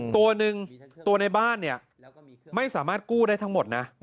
ตัวหนึ่งตัวในบ้านเนี่ยไม่สามารถกู้ได้ทั้งหมดนะ